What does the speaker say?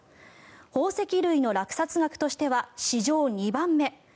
宝石類の落札額としては史上２番目。